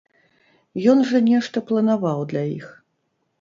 Ён жа нешта планаваў для іх?